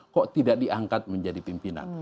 kok tidak diangkat menjadi pimpinan